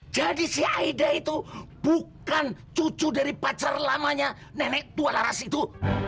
jadi si aida itu bukan cucu dari pacar lamanya nenek tualaras itu